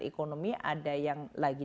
ekonomi ada yang lagi